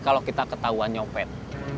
kalau kita ketahuan nyopet